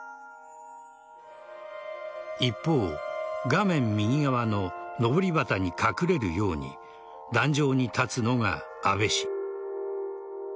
一方、画面右側ののぼり旗に隠れるように壇上に立つのが安倍氏。